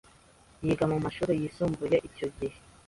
Yiga mu mashuri yisumbuye icyo gihe